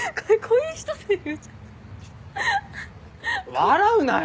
笑うなよ！